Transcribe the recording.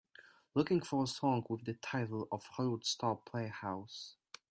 Looking for a song with the title of Hollywood Star Playhouse